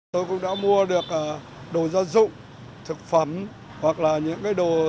tôi cũng đã mua được đồ gia dụng thực phẩm hoặc là những cái đồ